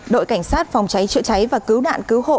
đội cảnh sát phòng cháy chữa cháy và cứu nạn cứu hộ